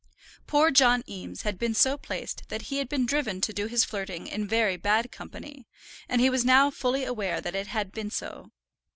Poor John Eames had been so placed that he had been driven to do his flirting in very bad company, and he was now fully aware that it had been so.